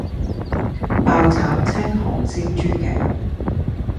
爆炒青紅椒豬頸肉